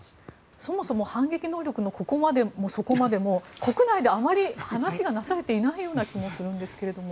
そもそも反撃能力のここまでもそこまでも国内であまり話がなされていないような気がするんですけれども。